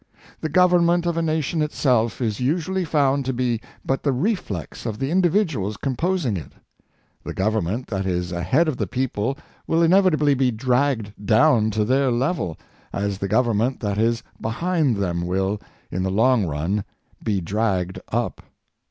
The Government of a nation itself is usually found to be but the reflex of the individuals composing it. The Government that is ahead of the people will inevitably be dragged down to their level, as the Government that is behind them will, in the long run, be dragged up.